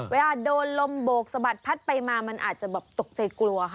เวลาโดนลมโบกสะบัดพัดไปมามันอาจจะแบบตกใจกลัวค่ะ